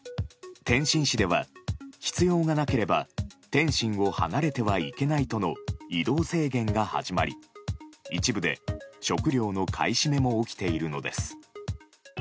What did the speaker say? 天津市では必要がなければ天津を離れてはいけないとの移動制限が始まり一部で食料の買い占めも起きているのです。